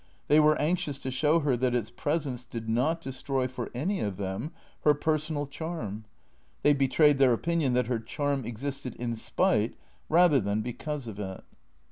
They were anxious to show her that its presence did not destroy for any of them her personal charm. They betrayed their opinion that her charm existed in spite rather than because of it.